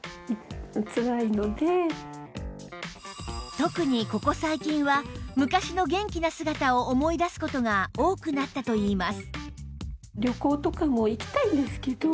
特にここ最近は昔の元気な姿を思い出す事が多くなったといいます